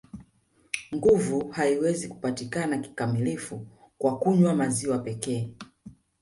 Nguvu haiwezi kupatikana kikamilifu kwa kunywa maziwa pekee